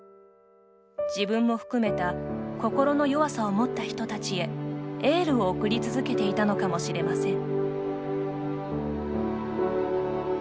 自分も含めた心の弱さを持った人たちへエールを送り続けていたのかもしれません。